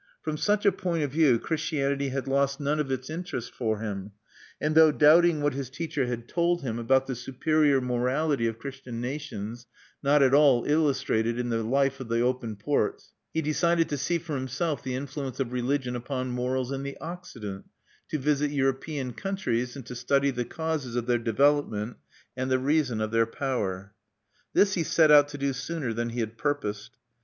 From such a point of view, Christianity had lost none of its interest for him; and though doubting what his teacher had told him about the superior morality of Christian nations, not at all illustrated in the life of the open ports, he desired to see for himself the influence of religion upon morals in the Occident; to visit European countries and to study the causes of their development and the reason of their power. This he set out to do sooner than he had purposed.